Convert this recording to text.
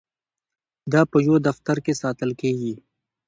دا په یو دفتر کې ساتل کیږي.